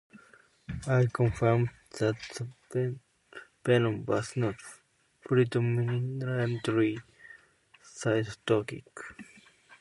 I confirmed that the the venom was not predominantly cytotoxic.